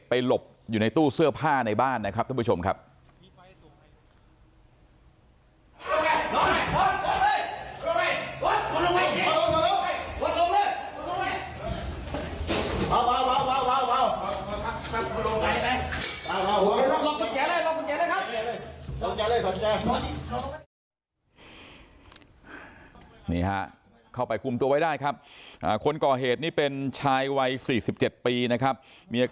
หลบอยู่ในตู้เสื้อผ้าในบ้านนะครับท่านผู้ชมครับ